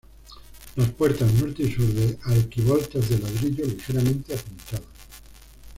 Las puertas norte y sur de arquivoltas de ladrillo ligeramente apuntadas.